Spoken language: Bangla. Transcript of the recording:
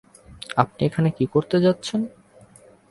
আপনি এখানে কি করতে যাচ্ছেন?